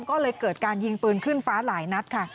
ก็เลยเกิดการยิงปืนขึ้นฟ้าหลายนัดค่ะ